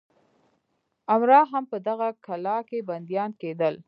امرا هم په دغه کلا کې بندیان کېدل.